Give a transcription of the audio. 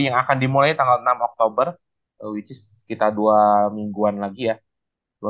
yang akan dimulai tanggal enam oktober which is sekitar dua mingguan lagi ya